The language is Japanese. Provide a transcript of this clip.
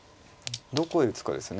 どこへ打つかです。